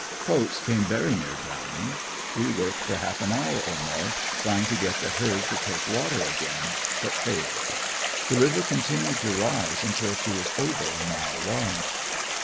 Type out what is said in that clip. Coats came very near drowning. We worked for half an hour or more trying to get the herd to take water again, but failed. The river continued to rise until she was over a mile wide.